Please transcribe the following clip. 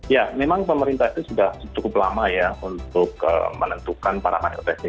ya memang pemerintah itu sudah cukup lama ya untuk menentukan parameter teknis